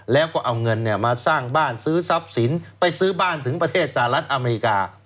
แล้วก็เอาเงินมาสร้างบ้านซื้อทรัพย์สินไปซื้อบ้านถึงประเทศสหรัฐอเมริกา